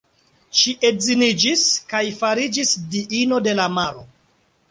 Ŝi edziniĝis, kaj fariĝis diino de la maro.